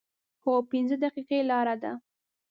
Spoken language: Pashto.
هو، پنځه دقیقې لاره ده